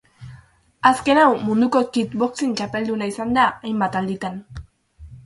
Azken hau munduko kid boxing txapelduna izan da hainbat alditan.